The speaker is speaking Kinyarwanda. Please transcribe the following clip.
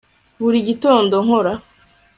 buri gitondo nkora